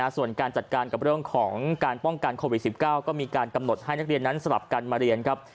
ส่วนการจัดการกับเรื่องของการป้องกันโควิด๑๙ก็มีการกำหนดให้นักเรียนนั้นสลับกันมาเรียนครับ